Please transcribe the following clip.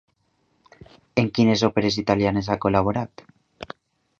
En quines òperes italianes ha col·laborat?